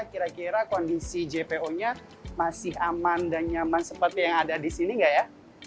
kira kira kondisi jpo nya masih aman dan nyaman seperti yang ada di sini nggak ya